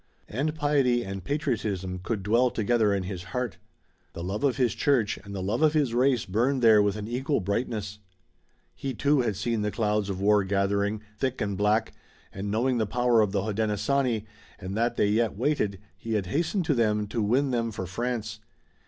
And piety and patriotism could dwell together in his heart. The love of his church and the love of his race burned there with an equal brightness. He, too, had seen the clouds of war gathering, thick and black, and knowing the power of the Hodenosaunee, and that they yet waited, he had hastened to them to win them for France.